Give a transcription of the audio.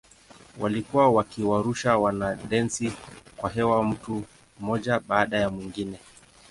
Walikuwa wakiwarusha wanadensi kwa hewa mtu mmoja baada ya mwingine.